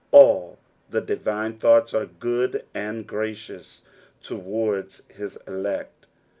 All the divine thoughts are good and gracious towards his elect.